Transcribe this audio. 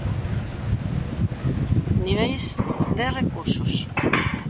Niveis de recursos